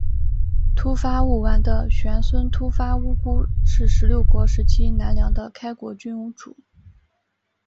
秃发务丸的玄孙秃发乌孤是十六国时期南凉的开国君主。